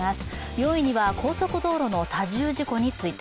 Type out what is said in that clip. ４位には高速道路の多重事故について。